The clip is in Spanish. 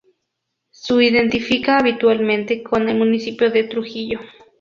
Su identifica habitualmente con el municipio de Trujillo.